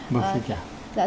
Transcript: mời xin chào